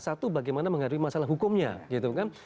satu bagaimana menghadapi masalah hukumnya gitu kan